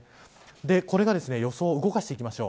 これが予想を動かしていきましょう。